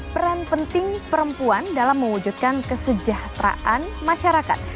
peran penting perempuan dalam mewujudkan kesejahteraan masyarakat